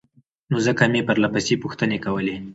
نو ځکه مې پرلهپسې پوښتنې کولې